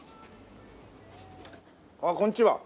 あっこんにちは。